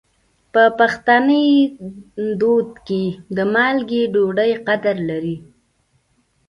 په پښتني دود کې د مالګې ډوډۍ قدر لري.